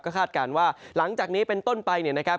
คาดการณ์ว่าหลังจากนี้เป็นต้นไปเนี่ยนะครับ